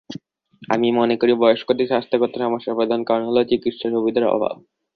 আমি মনে করি, বয়স্কদের স্বাস্থ্যগত সমস্যার প্রধান কারণ হলো, চিকিৎসা-সুবিধার অভাব।